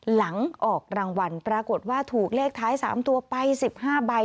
หลังออกรางวัลปรากฏว่าถูกเลขท้าย๓ตัวไป๑๕ใบ